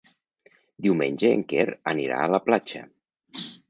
Diumenge en Quer anirà a la platja.